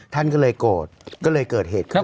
ท่านก็เลยโกรธก็เลยเกิดเหตุขึ้น